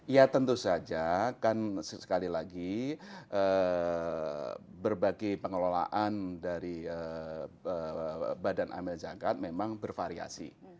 ya tentu saja kan sekali lagi berbagai pengelolaan dari badan amil zakat memang bervariasi